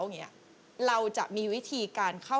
ฟงเหมือนพี่ไหมที่แบบว่า